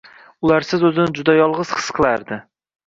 Ularsiz oʻzini juda yolgʻiz his qilardi.